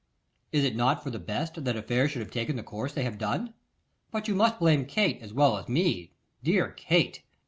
'Is it not for the best that affairs should have taken the course they have done? But you must blame Kate as well as me; dear Kate!